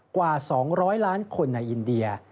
กว่า๒๐๐ล้านคนในอินเดีย